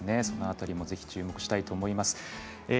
その辺り注目したいと思います。